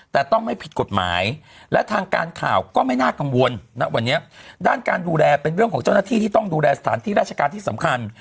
แต่ต้องไม่ผิดกฎหมายและทางการข่าวก็ไม่น่ากังวลณวันนี้ด้านการดูแลเป็นเรื่องของเจ้าหน้าที่ที่ต้องดูแลสถานที่ราชการที่สำคัญ